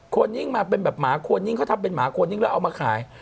คนนิ่งมาเป็นแบบหมาควรนิ่งเขาทำเป็นหมาควรนิ่งแล้วเอามาขาย